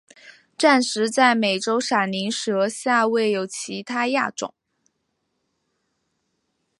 暂时在美洲闪鳞蛇下未有其它亚种。